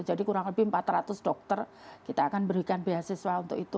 jadi kurang lebih empat ratus dokter kita akan berikan beasiswa untuk itu